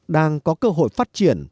đang có cơ hội phát triển